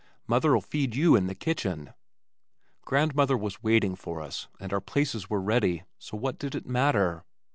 "Mother'll feed you in the kitchen." Grandmother was waiting for us and our places were ready, so what did it matter?